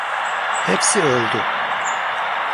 Hepsi öldü.